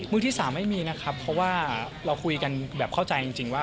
ที่๓ไม่มีนะครับเพราะว่าเราคุยกันแบบเข้าใจจริงว่า